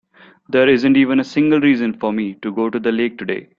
There isn't even a single reason for me to go to the lake today.